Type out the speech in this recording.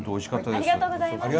ありがとうございます。